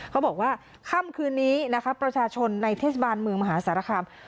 เขาบอกว่าค่ำคืนนี้นะคะประชาชนในเทศบาลเมืองมหาสารคาม